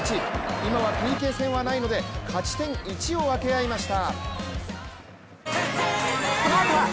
今はＰＫ戦はないので、勝ち点１を分け合いました。